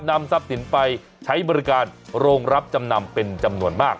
นำทรัพย์สินไปใช้บริการโรงรับจำนำเป็นจำนวนมาก